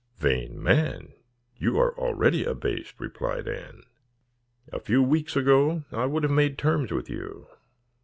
"Vain man, you are already abased," replied Anne. "A few weeks ago I would have made terms with you.